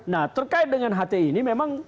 nah terkait dengan hti ini memang